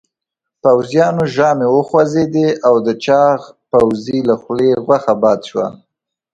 پوځيانو ژامې وخوځېدې او د چاغ پوځي له خولې غوښه باد شوه.